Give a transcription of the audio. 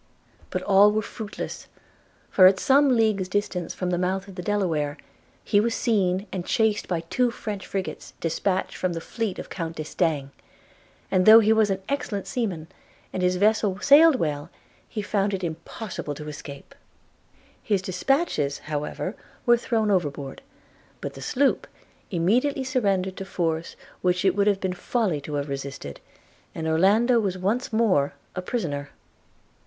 But all were fruitless; for, at some leagues distance from the mouth of the Delaware, he was seen and chased by two French frigates dispatched from the fleet of Count D'Estaing; and though he was an excellent seaman, and his vessel sailed well, he found it impossible to escape. – His dispatches, however, were thrown overboard; but the sloop immediately surrendered to force which it would have been folly to have resisted, and Orlando was once more a prisoner.